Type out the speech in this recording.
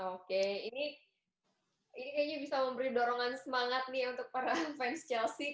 oke ini kayaknya bisa memberi dorongan semangat nih untuk para fans chelsea